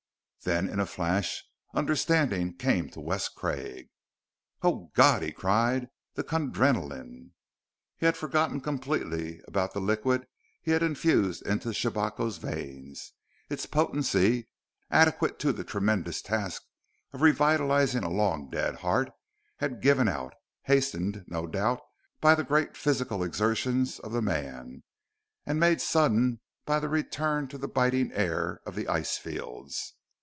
Then, in a flash, understanding came to Wes Craig. "Oh, God!" he cried. "The Kundrenaline!" He had forgotten completely about the liquid he had infused into Shabako's veins. Its potency, adequate to the tremendous task of revitalizing a long dead heart, had given out hastened, no doubt, by the great physical exertions of the man, and made sudden by the return to the biting air of the ice fields.